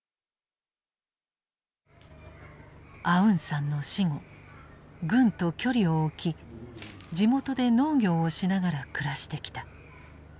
アウンサンの死後軍と距離を置き地元で農業をしながら暮らしてきた。